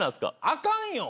あかんよ。